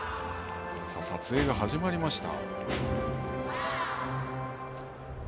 撮影が始まりました。